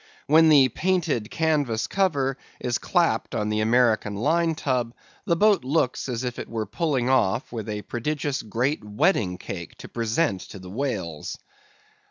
When the painted canvas cover is clapped on the American line tub, the boat looks as if it were pulling off with a prodigious great wedding cake to present to the whales.